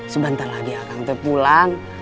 sebentar lagi akan ke pulang